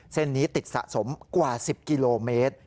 เส้นนี้ติดสะสมกว่า๑๐กิโลเมตร